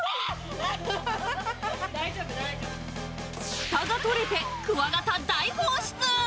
ふたが取れて、クワガタ大放出。